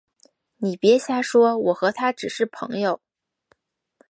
你别瞎说，我和他只是朋友